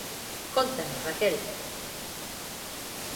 Cóntanos, Raquel.